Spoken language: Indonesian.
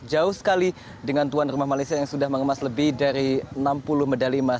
jauh sekali dengan tuan rumah malaysia yang sudah mengemas lebih dari enam puluh medali emas